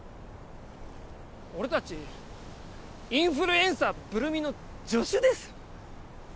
俺たちインフルエンサーブル美の助手です。